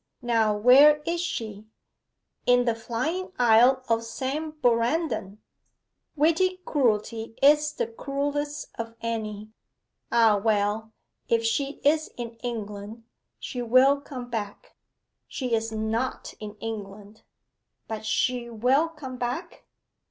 Now where is she?' 'In the Flying Isle of San Borandan.' 'Witty cruelty is the cruellest of any. Ah, well if she is in England, she will come back.' 'She is not in England.' 'But she will come back?